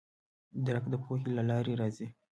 درک د پوهې له لارې راځي.